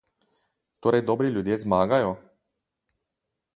Torej dobri ljudje zmagajo?